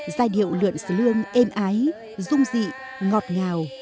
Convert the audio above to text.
giai điệu lượn sơ lương êm ái dung dị ngọt ngào